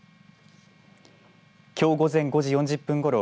きょう午前５時４０分ごろ